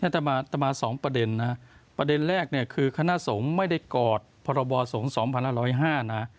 แต่มา๒ประเด็นประเด็นแรกคือคณะสงฆ์ไม่ได้กอดบสงฆ์๒๑๐๕นะ